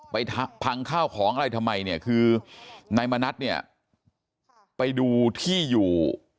ไปพังข้าวของอะไรทำไมเนี่ยคือนายมณัฐเนี่ยไปดูที่อยู่